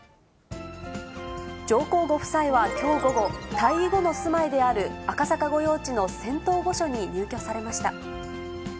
上皇ご夫妻はきょう午後、退位後の住まいである赤坂御用地の仙洞御所に入居されました。